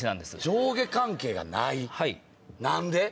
上下関係がない何で？